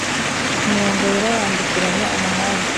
imirongo yera yambukiranya umuhanda.